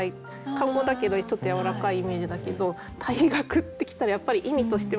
漢語だけどちょっとやわらかいイメージだけど「退学」って来たらやっぱり意味としても重いっていうのあるから。